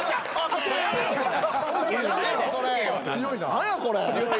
何やこれ。